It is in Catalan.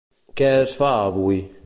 Què es fa avui?